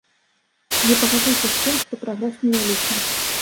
Не пагаджуся з тым, што прагрэс невялікі.